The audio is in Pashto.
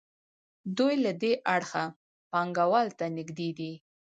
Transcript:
دوی له دې اړخه پانګوال ته نږدې دي.